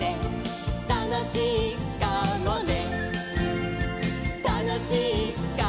「たのしいかもね」